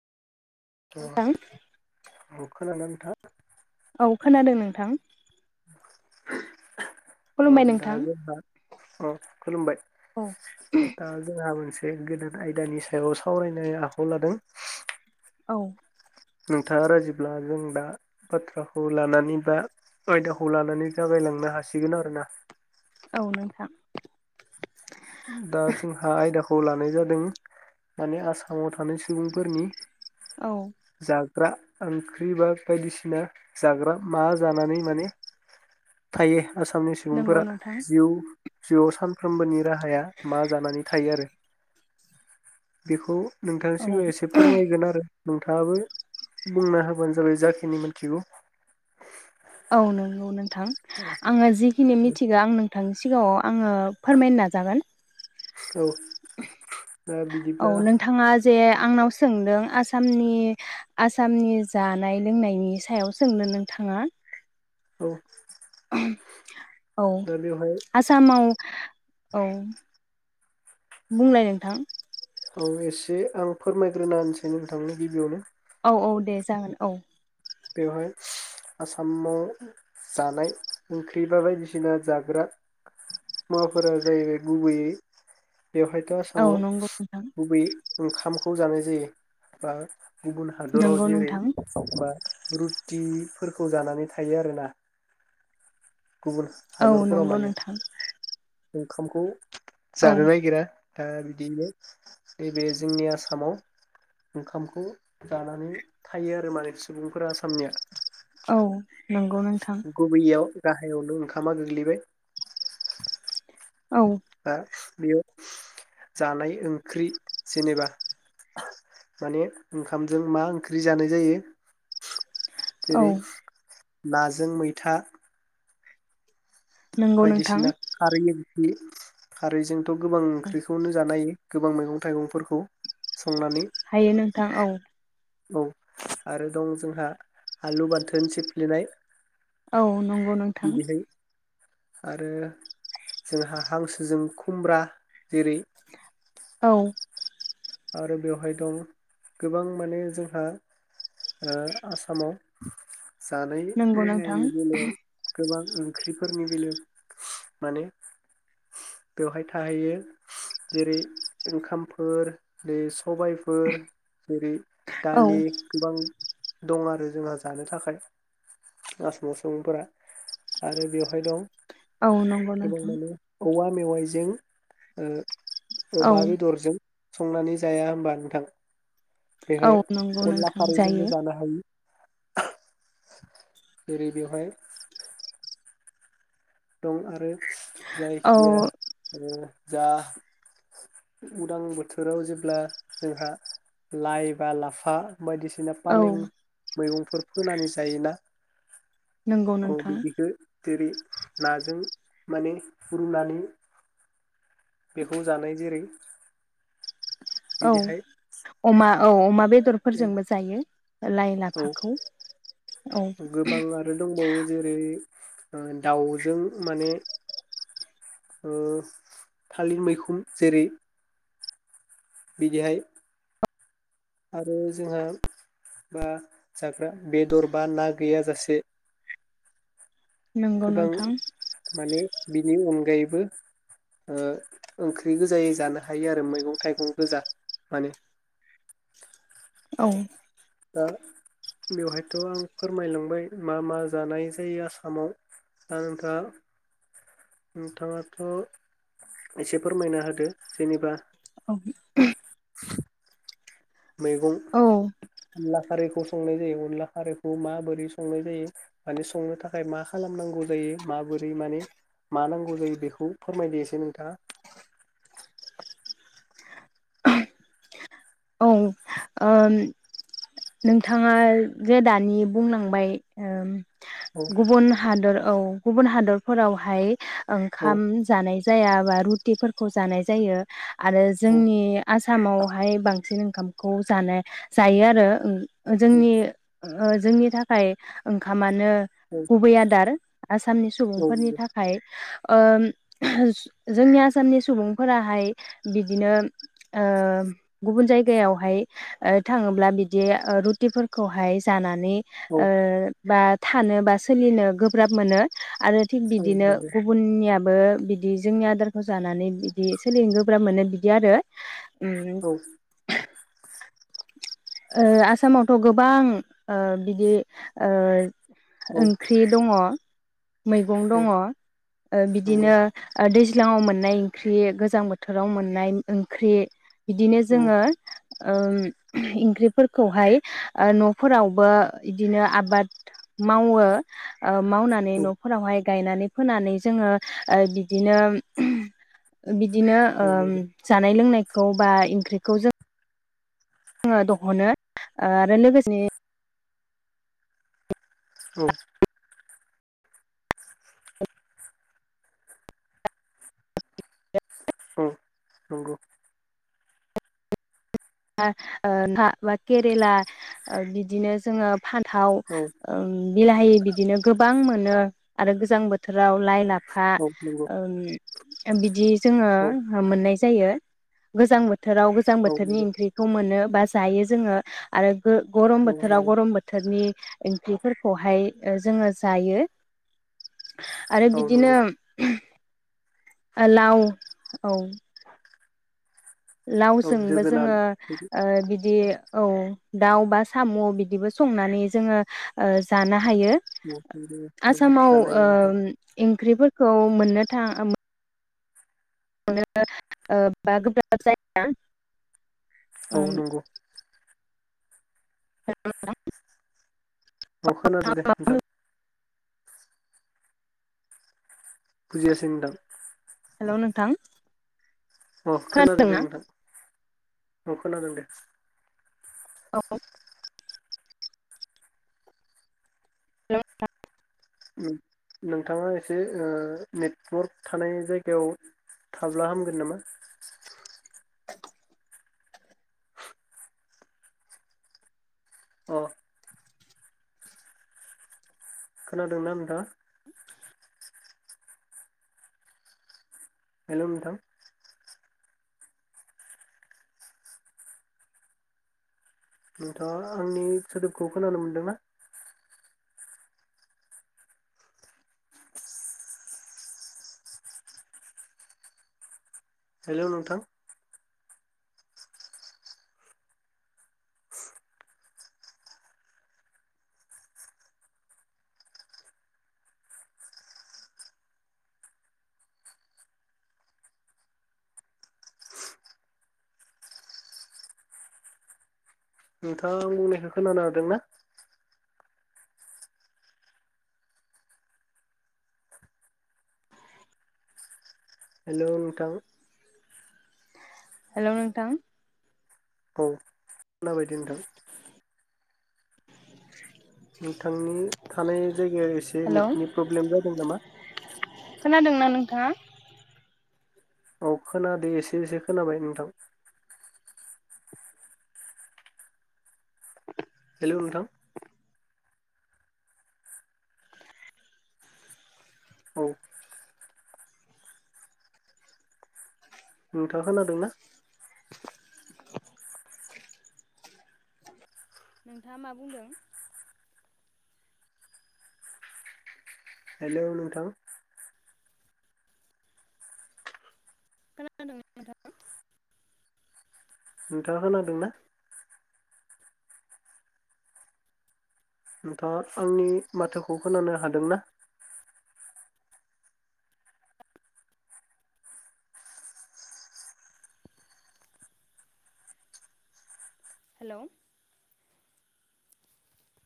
नोंथां [unintelligible] हो औ खोनादों नोंथां। [inaudible] अ खुलुमबाय दा नोंथां जोंहा अ औ खुलुमबाय दा जोंहा मोनसे बे गोदान आयदानि सायाव सावरायनाय आखायाव लादों औ। नोंथाङा राजिब्ला जों दा बाथ्राखौ लानानै बा आयदाखौ लानानै जागायलांनो हासिगोन आरोना औ नोंथां। दा जोंहा आयदाखौ लानाय जादों माने आसामाव थानाय सुबुंफोरनि औ। जाग्रा ओंख्रि बा बायदिसिना जाग्रा मा जानानै माने थायो। आसामनि नंगौ सुबुंफोरा नोंथां जिउ जिउआव सानफ्रोमबोनि राहाया मा जानानै थायो आरो बेखौ नोंथांनि औ सिगाङाव एसे फोरमायगोन आरो नोंथाङाबो बुंना होबानो जाबाय जाखिनि मोनथिगौ। औ नोंगौ नोंथां। थां आङो जिखिनि मिथिगौ आं नों नोंथांनि सिगाङाव आङो फोरमायनो नाजागोन। औ। दा औ बिदिब्ला नोंथाङा जे आंनाव सोंदों आसामनि आसामनि जानाय लोंनायनि सायाव सोंदों नोंथाङा? औ। औ दा बेवहाय आसामाव औ बुंलाय नोंथां औ एसे आं फोरमायग्रोना होनसै नोंथांनो गिबियावनो औ औ दे जागोन औ बेवहाय आसामाव जानाय ओंख्रि बा बायदिसिना जाग्रा मुवाफोरा जाहैबाय गुबैयै बेवहायथ औ आसामाव नंगौ नोंथां गुबैयै ओंखामखौ जानाय जायो बा गुबुन हादराव नंगौ जेरै नोंथां बा रुटिफोरखौ जानानै थायो आरोना गुबुन औ हादरफोराव नंगौ माने नोंथां ओंखामखौ औ जानो नागिरा दा बिदिनो नैबे जोंनि आसामाव ओंखामखौ जानानै थायो आरो माने सुबुंफोरा आसामनिया। औ नंगौ नोंथां। गुबैयाव गाहायावनो ओंखामा गोग्लैबाय औ बा बेयाव जानाय ओंख्रि जेनेबा माने ओंखामजों मा ओंख्रि जानाय जायो औ जेरै नाजों मैथा नंगौ नोंथां बायदिसिना खारैनि नि खारैजों थ गोबां ओंख्रिखौनो जानो हायो। गोबां मैगं थाइगंफोरखौ संनानै हायो नोंथां औ औ आरो दं जोंहा आलु बाथोन सिफ्लेनाय। औ नंगौ नोंथां बिदिहाय आरो जोंहा हांसोजों खुमब्रा जेरै औ आरो बेवहाय दं गोबां माने जोंहा ओ आसामाव जानाय नंगौ नोंथां लोंनायनि बेलायाव गोबां ओंख्रिफोरनि बेलेयाव माने बेवहाय थाहोयो जेरै ओंखामफोर दे सबायफोर जेरै औ दालि गोबां दं आरो जोंहा जानो थाखाय रासमसंफोरा आरो बेवहाय दं औ नंगौ गोबां नोंथां माने औवा मेवाइजों ओ औ अमा बेदर जों संनानै जाया होमबा नोंथां औ बेहाय नंगौ अनला नोंथां खारैजोंबो जायो जानो हायो। जेरै बेवहाय दं आरो औ जायखि जाया ओ दा उदां बोथोराव जेब्ला जोंहा लाइ बा लाफा बायदिसिना औ फालें मैगंफो बेफोर फोनानै जायोना? नंगौ औ नोंथां बिदिखौ जेरै नाजों माने रुनानै बेखौ जानाय जेरै औ बिदिहाय अमा औ अमा बेद बेदरफोरजोंबो जायो लाइ औ लाफाखौ औ गोबां आरो दंबावो जेरै ओ दाउजों माने ओ थालिर मैखुन जेरै बिदिहाय आरो जोंहा बा जाग्रा बेदर बा ना गैयाजासे नंगौ गोबां नोंथां माने बिनि अनगायै ओ ओंख्रि गोजायै जानो हायो आरो मैगं थाइगं गोजा माने औ दा बेवहायथ' आं फोरमायलांबाय मा मा जानाय जायो आसामाव दा नोंथा नोंथाङाथ' एसे फोरमायना होदो जेनेबा औ [inaudible] औ मैगं लाफारिखौ संनाय जायो अनला खारैखौ माबोरै संनाय जायो माने संनो थाखाय मा खालामनांगौ जायो माबोरै माने मा नांगौ जायो बेखौ फोरमायदो एसे नोंथाङा ओम नोंथाङा जे दानि बुंलांबाय ओम औ गुबुन हादर औ गुबुन हादरफोरावहाय औ ओंखाम जानाय जायाबा रुटिफोरखौ जानाय जायो। आरो औ जोंनि आसा [unintelligible] बांसिन ओंखामखौ जानाय जायो आरो ओं औ जोंनि औ जोंनि थाखाय ओंखामानो गुबै आदार आसामनि औ सुबुंफोरनि थाखाय ओम जोंनि आसामनि सुबुंफोराहाय बिदिनो ओ गुबुन जायगायावहाय ओ थाङोब्ला बिदि ओ रुटिफोरखौहाय जाना ने औ ओ बा थानो बा सोलिनो गोब्राब मोनो। आरो थिग बिदिनो गुबुननिया बो बिदि जोंनि आदारखौ जानानै बिदि सोलिनो गोब्राब मोनो बिदि आरो उम औ ओ आसामा थ गोबां ओ बिदि ओ औ ओंख्रि दङ। मैगं दङ ओ नंगौ बिदिनो ओ दै [unintelligible] मोननाय ओंख्रि गोजां बोथोराव मोननाय ओंख्रि। बिदिनो औ जोङो ओम इ ओंख्रिफोरखौहाय ओ न'फोरावबो इदिनो आबाद मावो। ओ मावनानै न'फोरावहाय गायनानै फोनानै जोङो ओ बिदिनो बिदिनो औ ओम नंगौ जानाय लोंनाय खौ बा इंख्रिखौ जों जोङो दहनो ओ आरो लोगोसे औ औ नंगौ ओ ओ ना बा केेरेला ओ बिदिनो जोङो फान थाव औ ओम बिलाहि बिदिनो गोबां मोन नो आरो गोजां बोथोर लाव लाइ लाफा औ नंगौ ओम ओ बिदि जोङो औ नंगौ हो मोननै जायो गोजां बो थोराव गोजां औ बोथोरनि खौ मोनो बा जायो जोङो आरो ओ गरम नंगौ बोथोराव गरम बोथोरनि ओंख्रिफोरखौहाय ओ जोङो जायो। आरो औ बिदिनो नंगौ ओ लाउ औ औ लावजोंबो जोगोनार जोङो औ ओ बिदि, औ दाउ, बा साम, बिदिबो संनानै जोङो जानो हा हायो नंगौ नंगौ आसामाव जानाय ओ नोंथां एं ओंख्रिफोरखौ मोननो थाङा मो मोननो बा गोब्राब जाया, औ नंगौ [unintelligible] औ खोनादो दे नोंथां बुजियाखै नोंथां, हेल नोंथां अ खोनादों दे खोनादोंना नोंथां, अ खोनादों दे औ नों थां नों नोंथाङा एसे ओ नेटवरक थानाय जायगायाव थाब्ला हामगोन नामा? [inaudible] अ खोनादोंना नोंथाङा, हेलौ नोंथां नोंथाङा आंनि सोदोबखौ खोनानो मोनदोंना? हेल नोंथां नोंथांङा आं बुंनायखो खोनानो हादों ना? हेल नोंथां हेल नोंथां औ खोनाबायदे नोंथां नोंथांनि थानाय जायगाया एसे हेलौ नेटनि प्रब्लेम जादों नामा? खोनादोंना नोंथाङा औ खोनादे एसे एसे खोनाबाय नोंथां हेल नोंथां औ नोंथाङा खोनादोंना नोंथाङा मा बुंदों हेलौ नोंथां? खोनादों ना नोंथां? नोंथाङा खोनादोंना? नोंथाङा आंनि माथोखौ खोनानो हादोंना? हेलौ